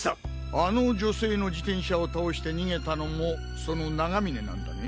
あの女性の自転車を倒して逃げたのもその永峰なんだね。